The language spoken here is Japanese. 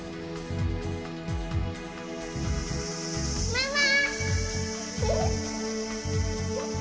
ママ！